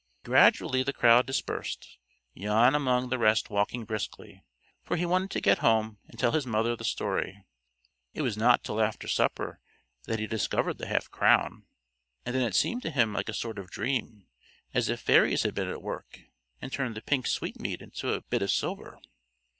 Gradually the crowd dispersed, Jan among the rest walking briskly, for he wanted to get home and tell his mother the story. It was not till after supper that he discovered the half crown, and then it seemed to him like a sort of dream, as if fairies had been at work, and turned the pink sweetmeat into a bit of silver.